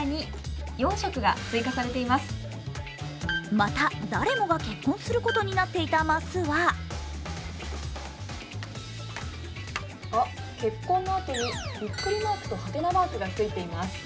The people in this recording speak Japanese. また、誰もが結婚することになっていたマスはあっ、結婚のあとにビックリマークとはてなマークがついています。